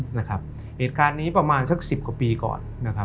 เหตุการณ์นี้ประมาณสักสิบกว่าปีก่อน